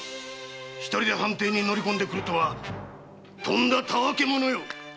一人で藩邸に乗り込んでくるとはとんだたわけ者よ！